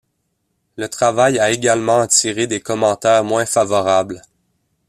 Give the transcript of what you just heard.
Le travail a également attiré des commentaires moins favorables.